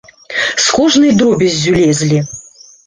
З кожнай дробяззю лезлі.